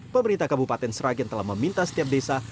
pemerintah kabupaten sragen telah meminta setiap desa